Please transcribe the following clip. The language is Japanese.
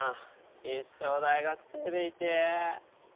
一生大学生でいてぇ。